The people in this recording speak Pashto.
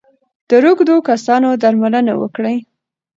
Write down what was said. د روږدو کسانو درملنه وکړئ.